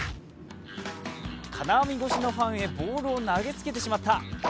金網越しのファンへボールを投げつけてしまった。